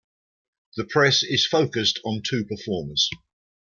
The press focused on two performers.